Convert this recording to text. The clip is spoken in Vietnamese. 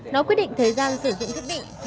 nó quyết định thời gian sử dụng thiết bị